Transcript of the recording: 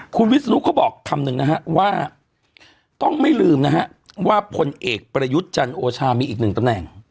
คุณวิศนุเขาบอกคำหนึ่งนะฮะว่าต้องไม่ลืมนะฮะว่าพลเอกประยุทธ์จันโอชามีอีกหนึ่งตำแหน่ง